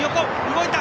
動いた！